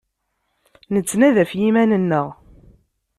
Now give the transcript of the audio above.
Nettnadi γef yiman-nneγ.